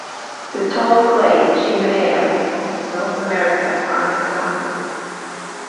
The tall clay "Chimeneas" of North America are an example.